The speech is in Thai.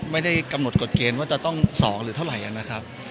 ไม่ได้กำหนดกฎเกณฑ์ว่าจะต้อง๒หรือเท่าไหร่นะครับ